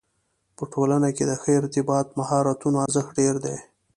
په ټولنه کې د ښه ارتباط مهارتونو ارزښت ډېر دی.